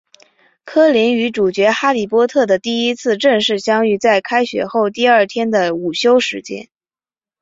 柯林与主角哈利波特的第一次正式相遇在开学后第二天的午休时间。